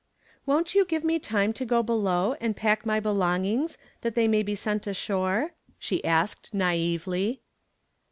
"Won't you give me time to go below and pack my belongings that they may be sent ashore?" she asked naively.